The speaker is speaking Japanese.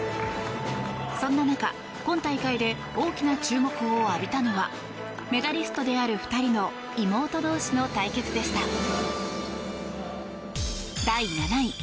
そんな中、今大会で大きな注目を浴びたのはメダリストである２人の妹同士の対決でした。